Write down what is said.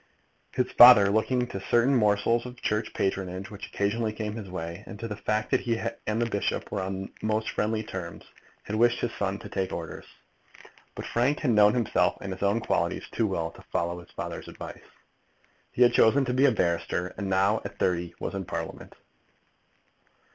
His father, looking to certain morsels of Church patronage which occasionally came in his way, and to the fact that he and the bishop were on most friendly terms, had wished his son to take orders. But Frank had known himself and his own qualities too well to follow his father's advice. He had chosen to be a barrister, and now, at thirty, he was in Parliament.